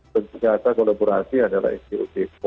penyiasat kolaborasi adalah istimewa